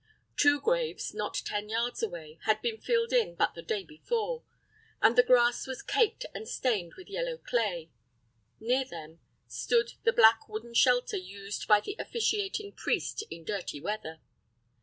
Two graves, not ten yards away, had been filled in but the day before, and the grass was caked and stained with yellow clay. Near them stood the black wooden shelter used by the officiating priest in dirty weather.